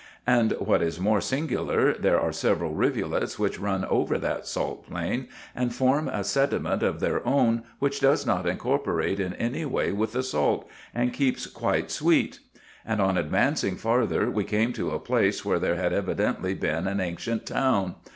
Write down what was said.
And what is more singular, there are several rivulets which run over that salt plain, and form a sediment of their own which does not incorporate in any way with the salt, and keeps quite sweet; and on advancing farther, we came to a place where there had evidently been an ancient town.